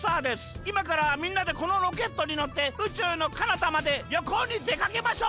いまからみんなでこのロケットにのってうちゅうのかなたまでりょこうにでかけましょう！